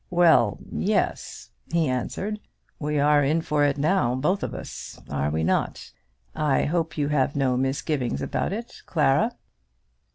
"Well, yes," he answered. "We are in for it now, both of us; are we not? I hope you have no misgivings about it, Clara."